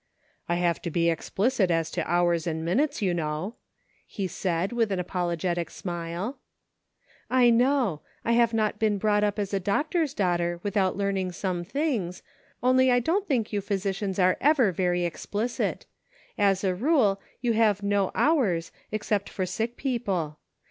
" I have to be explicit as to hours and minutes, you know," he said, with an apologetic smile. " I know ; I have not been brought up as a doc tor's daughter without learning some things, only I don't think you physicians are ever very explicit ; as a rule, you have no hours except for sick people.